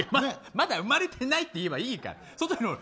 まだ生まれてないって言えばいいんだよ。